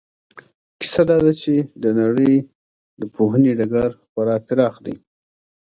کیسه دا ده چې د نړۍ د پوهنې ډګر خورا پراخ دی.